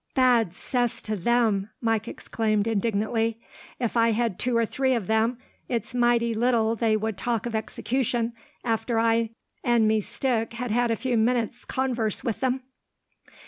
"Bad cess to them!" Mike exclaimed, indignantly. "If I had two or three of them, it's mighty little they would talk of execution, after I and me stick had had a few minutes' converse with them.